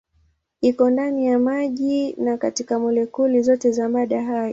Iko ndani ya maji na katika molekuli zote za mada hai.